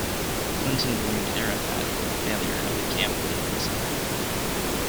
Clinton blamed Arafat for the failure of the Camp David Summit.